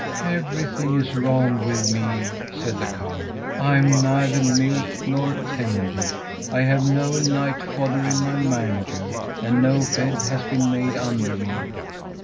"Everything is wrong with me," said the cow. "I am neither milked nor tended. I have no night fodder in my manger, and no bed has been made under me.